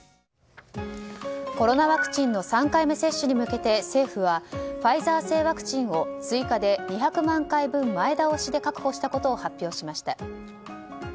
コロナワクチンの３回目接種に向けて政府は、ファイザー製ワクチンを追加で２００万回分前倒しで確保したことを発表しました。